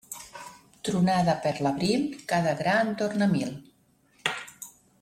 Tronada per l'abril, cada gra en torna mil.